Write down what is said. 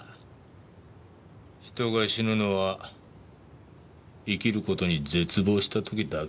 人が死ぬのは生きる事に絶望した時だけだ。